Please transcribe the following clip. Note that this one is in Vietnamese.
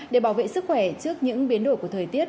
để bảo vệ sức khỏe trước những biến đổi của thời tiết